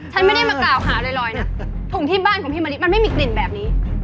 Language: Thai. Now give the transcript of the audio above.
ฉันไม่ได้มากล่าวหาลอยนะถุงที่บ้านของพี่มะลิมันไม่มีกลิ่นแบบนี้